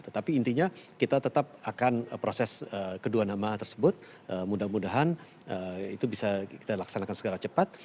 tetapi intinya kita tetap akan proses kedua nama tersebut mudah mudahan itu bisa kita laksanakan segera cepat